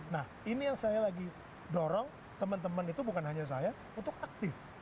nah ini yang saya lagi dorong teman teman itu bukan hanya saya untuk aktif